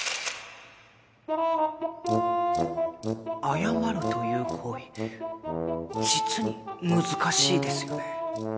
謝るという行為実に難しいですよね？